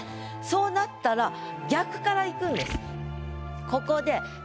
そうなったら逆からいくんです。